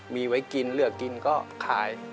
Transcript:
มีไว้กินเลือกกินก็ขาย